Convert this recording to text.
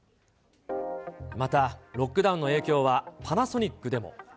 また、ロックダウンの影響はパナソニックでも。